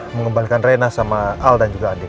mengembalikan rena sama al dan juga andi